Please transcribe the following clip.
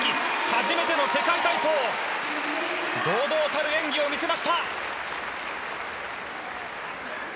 初めての世界体操堂々たる演技を見せました！